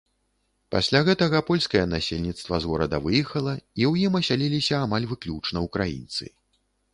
Пасля гэтага польскае насельніцтва з горада выехала, і ў ім асяліліся амаль выключна ўкраінцы.